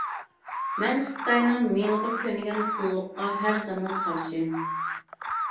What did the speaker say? مەن خىتاينىڭ مېلىغا كۆنگەن قۇللۇققا ھەر زامان قارشى.